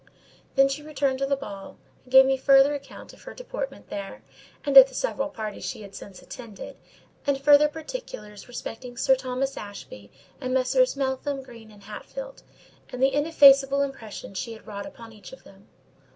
Then she returned to the ball, and gave me a further account of her deportment there, and at the several parties she had since attended; and further particulars respecting Sir Thomas Ashby and Messrs. Meltham, Green, and Hatfield, and the ineffaceable impression she had wrought upon each of them.